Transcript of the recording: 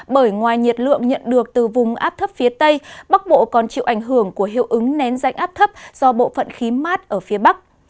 bởi ngoài nhiệt lượng nhận được từ vùng áp thấp phía tây bắc bộ còn chịu ảnh hưởng của hiệu ứng nén rãnh áp thấp do bộ phận khí mát ở phía bắc